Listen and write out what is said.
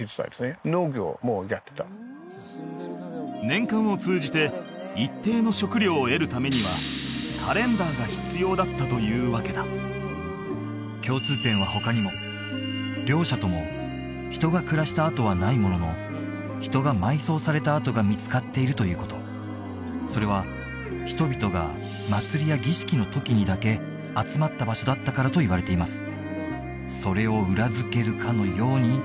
年間を通じて一定の食料を得るためにはカレンダーが必要だったというわけだ共通点は他にも両者とも人が暮らした跡はないものの人が埋葬された跡が見つかっているということそれは人々が祭りや儀式の時にだけ集まった場所だったからといわれています